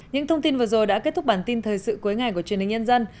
những thông tin vừa rồi đã kết thúc bản tin thời sự cuối ngày của truyền hình nhân dân